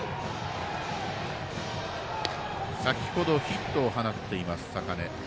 先ほどヒットを放っています、坂根。